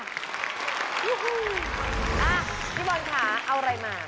อ่ะพี่บอลค่ะเอาอะไรมา